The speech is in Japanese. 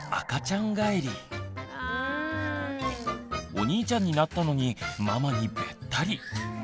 お兄ちゃんになったのにママにべったり。